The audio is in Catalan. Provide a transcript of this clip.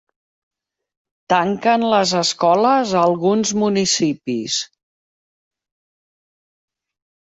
Tanquen les escoles a alguns municipis